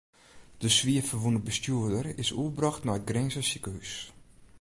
De swier ferwûne bestjoerder is oerbrocht nei it Grinzer sikehús.